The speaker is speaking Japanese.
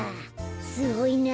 すごいな。